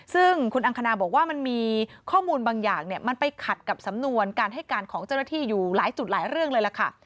ซึ่งคุณอังคณาบอกว่ามันมีข้อมูลบางอย่างเนี่ยมันไปขัดกับสำนวนการให้การของเจ้าหน้าที่อยู่หลายจุดหลายเรื่องเลยล่ะค่ะ